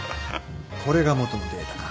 これが元のデータか